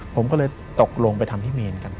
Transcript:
ผมก็เลยตกลงไปทำพี่เมนกัน